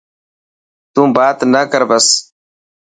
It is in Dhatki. تون بات نه ڪر بس.